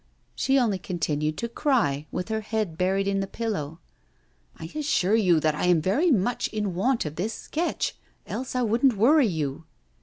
She only continued to cry, with her head buried in the pillow. 'I assure you that I am very much in want of this sketch, else I wouldn't worry you.